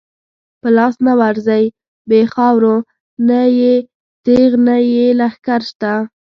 په لاس نه ورځی بی خاورو، نه یې تیغ نه یی لښکر شته